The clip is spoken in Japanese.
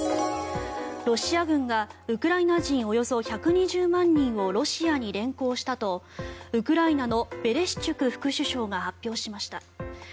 ロシア軍がウクライナ人およそ１２０万人をロシアに連行したとウクライナのベレシュチュク副首相が発表しました。